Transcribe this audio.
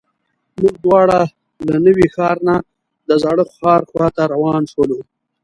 موږ دواړه له نوي ښار نه د زاړه ښار خواته روان شولو.